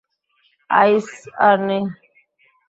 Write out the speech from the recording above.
আইস আর নেই।